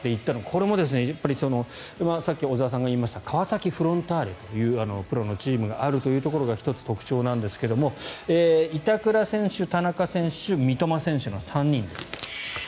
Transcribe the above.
これもさっき小澤さんが言いました川崎フロンターレというプロのチームがあるというところが１つ特徴ですが板倉選手、田中選手三笘選手の３人です。